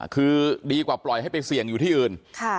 คือดีกว่าปล่อยให้ไปเสี่ยงอยู่ที่อื่น